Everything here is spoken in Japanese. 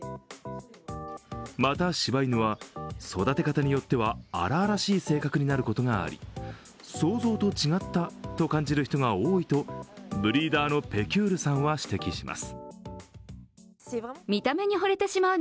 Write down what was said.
また、しば犬は育て方によっては荒々しい性格になることがあり想像と違ったと感じる人が多いとブリーダーのペキュールさんは指摘します。